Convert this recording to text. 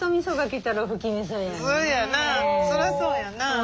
そりゃそうやな。